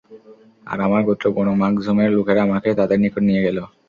আর আমার গোত্র বনু মাখযূমের লোকেরা আমাকে তাদের নিকট নিয়ে গেল।